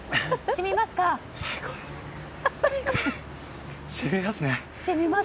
しみますね。